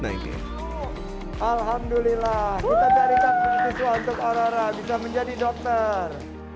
alhamdulillah kita berikan beasiswa untuk aurora bisa menjadi dokter